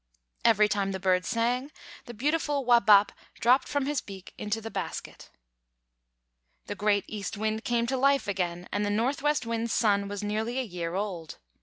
Every time the Bird sang, the beautiful "Wābap" dropped from his beak into the basket. The great East Wind came to life again, and the Northwest Wind's son was nearly a year old.